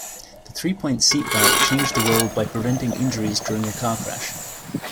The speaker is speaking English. The three-point seat belt changed the world by preventing injuries during a car crash.